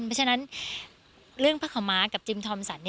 เพราะฉะนั้นเรื่องผ้าขาวม้ากับจิมทอมสัน